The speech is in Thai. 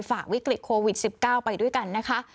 ฝากวิกฤตโควิด๑๙ไปด้วยกันนะคะ